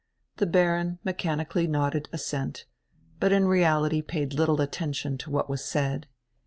The Baron mechan ically nodded assent, but in reality paid little attention to what was said.